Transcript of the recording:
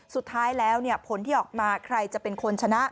สุดท้ายแล้วผลที่ออกมาใครจะเป็นคนชนะ